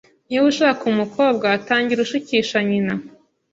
Niba ushaka umukobwa, tangira ushukisha nyina